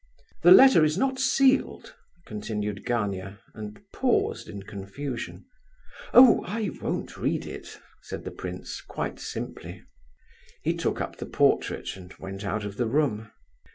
"The letter is not sealed—" continued Gania, and paused in confusion. "Oh, I won't read it," said the prince, quite simply. He took up the portrait, and went out of the room.